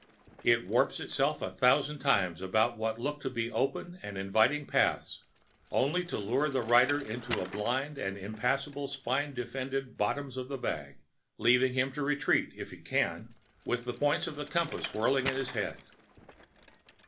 It warps itself a thousand times about what look to be open and inviting paths, only to lure the rider into blind and impassable spine defended "bottoms of the bag," leaving him to retreat, if he can, with the points of the compass whirling in his head.